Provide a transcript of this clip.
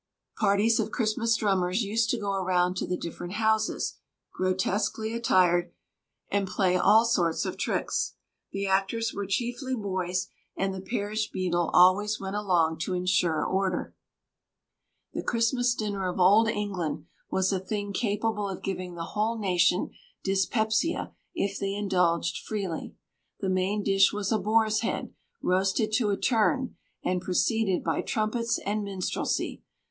Parties of Christmas drummers used to go around to the different houses, grotesquely attired, and play all sorts of tricks. The actors were chiefly boys, and the parish beadle always went along to insure order. The Christmas dinner of Old England was a thing capable of giving the whole nation dyspepsia if they indulged freely. The main dish was a boar's head, roasted to a turn, and preceded by trumpets and minstrelsy.